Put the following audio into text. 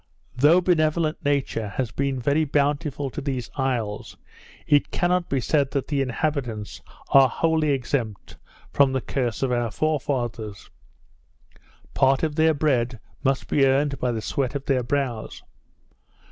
Though benevolent nature has been very bountiful to these isles, it cannot be said that the inhabitants are wholly exempt from the curse of our forefathers: Part of their bread must be earned by the sweat of their brows.